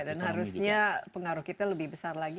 dan harusnya pengaruh kita lebih besar lagi